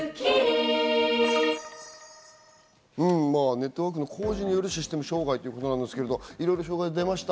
ネットワークの工事によるシステム障害ということですけど、いろいろ障害が出ました。